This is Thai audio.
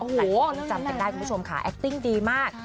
อโหจำแต่ได้ผู้สมค่ะแอคติ้งดีมาก